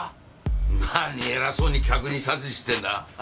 なに偉そうに客に指図してんだ。